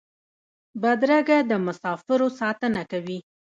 بدرګه د مسافرو ساتنه کوي.